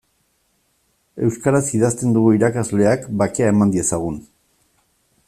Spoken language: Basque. Euskaraz idazten dugu irakasleak bakea eman diezagun.